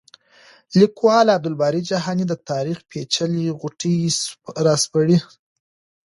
لیکوال عبدالباري جهاني د تاریخ پېچلې غوټې راسپړي.